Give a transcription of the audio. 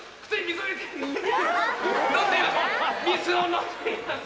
水を飲んでいます。